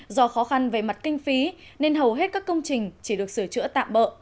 do khó khăn về mặt kinh phí nên hầu hết các công trình chỉ được sửa chữa tạm bợ